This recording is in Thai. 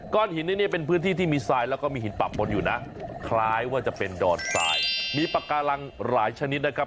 หินที่นี่เป็นพื้นที่ที่มีทรายแล้วก็มีหินปะบนอยู่นะคล้ายว่าจะเป็นดอนทรายมีปากการังหลายชนิดนะครับ